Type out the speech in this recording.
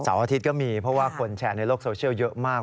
อาทิตย์ก็มีเพราะว่าคนแชร์ในโลกโซเชียลเยอะมาก